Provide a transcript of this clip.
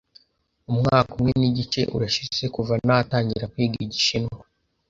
Umwaka umwe nigice urashize kuva natangira kwiga Igishinwa.